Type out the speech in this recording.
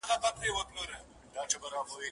پیر مغان له ریاکاره سره نه جوړیږي